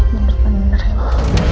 menurut bener ya